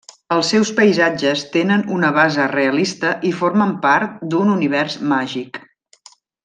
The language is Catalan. Els seus paisatges tenen una base realista i formen part d'un univers màgic.